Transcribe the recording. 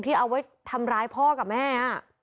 เอาไว้ทำร้ายพ่อกับแม่